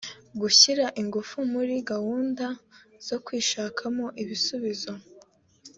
gushyira ingufu muri gahunda zo kwishakamo ibisubizo